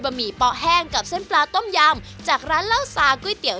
หมี่เปาะแห้งกับเส้นปลาต้มยำจากร้านเหล้าซาก๋วยเตี๋ย